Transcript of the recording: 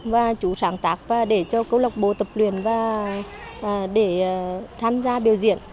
và chủ sáng tác và để cho câu lạc bộ tập luyện và để tham gia biểu diễn